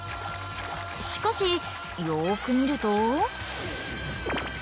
しかしよく見ると。